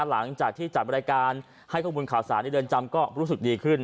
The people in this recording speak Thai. หลังจากที่จัดบริการให้ข้อมูลข่าวสารในเรือนจำก็รู้สึกดีขึ้น